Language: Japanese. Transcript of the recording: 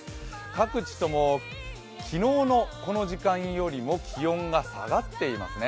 各地とも昨日のこの時間よりも気温が下がっていますね。